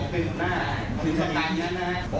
ผมเป็นหัวหน้าผมเป็นศักดิ์ที่นั้นนะครับ